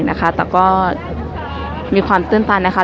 คุณป๊าเขาพูดไม่ค่อยเก่งนะคะแต่ก็มีความตื่นตันนะคะ